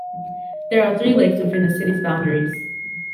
There are three lakes within the city's boundaries.